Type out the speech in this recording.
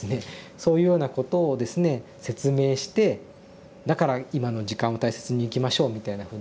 そういうようなことをですね説明して「だから今の時間を大切に生きましょう」みたいなふうにですね